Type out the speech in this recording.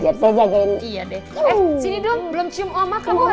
sini dong belum cium oma